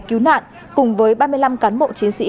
cứu nạn cùng với ba mươi năm cán bộ chiến sĩ